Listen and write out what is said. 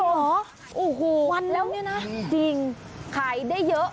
จริงเหรอวันแล้วนี่นะจริงขายได้เยอะ